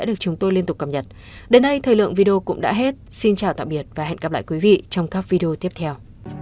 đến đây thời lượng video cũng đã hết xin chào tạm biệt và hẹn gặp lại quý vị trong các video tiếp theo